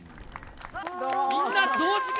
みんな同時か！